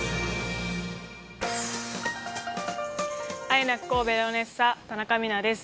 ＩＮＡＣ神戸レオネッサ田中美南です。